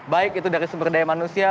baik itu dari sumber daya manusia